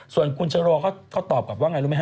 ส่วนคุณชะลอเขาตอบกับว่าไงรู้มั้ยฮะ